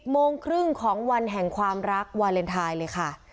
โมงครึ่งของวันแห่งความรักวาเลนไทยเลยค่ะ